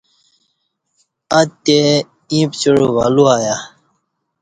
اتی ایں پڅیوع ولو ایہ۔